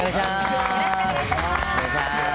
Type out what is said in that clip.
よろしくお願いします。